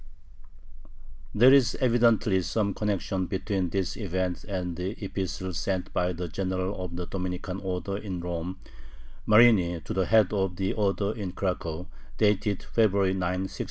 There is evidently some connection between this event and the epistle sent by the General of the Dominican Order in Rome, Marini, to the head of the order in Cracow, dated February 9, 1664.